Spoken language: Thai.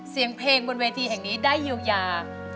เสียงเพลงบนเวทีแห่งนี้ได้เยียวยา